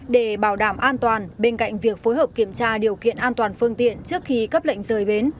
để bảo đảm an toàn bên cạnh việc phối hợp kiểm tra điều kiện an toàn phương tiện trước khi cấp lệnh rời bến